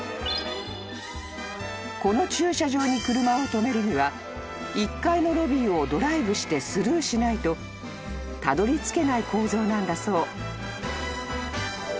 ［この駐車場に車を止めるには１階のロビーをドライブしてスルーしないとたどりつけない構造なんだそう］